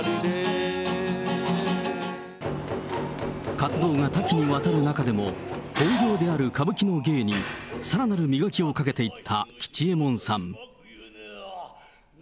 活動が多岐にわたる中でも、本業である歌舞伎の芸にさらなる磨きをかけていった吉右衛門さん。